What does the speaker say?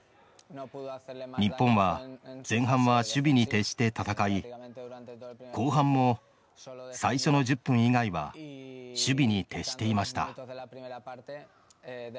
日本は前半は守備に徹して戦い後半も最初の１０分以外は守備に徹していました。